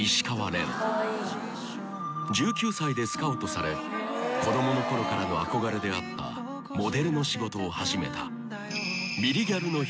［１９歳でスカウトされ子供のころからの憧れであったモデルの仕事を始めた］